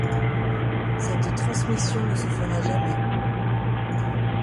Cette transmission ne se fera jamais.